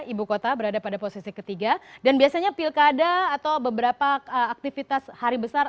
ibu kota berada pada posisi ketiga dan biasanya pilkada atau beberapa aktivitas hari besar